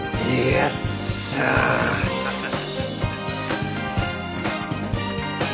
よっしゃー！ハハハ。